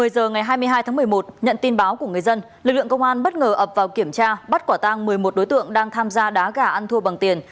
một mươi giờ ngày hai mươi hai tháng một mươi một nhận tin báo của người dân lực lượng công an bất ngờ ập vào kiểm tra bắt quả tang một mươi một đối tượng đang tham gia đá gà ăn thua bằng tiền